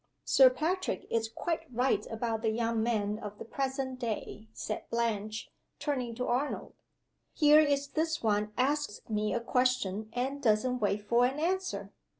"Sir Patrick is quite right about the young men of the present day," said Blanche, turning to Arnold. "Here is this one asks me a question, and doesn't wait for an answer.